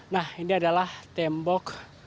nah ini adalah tembok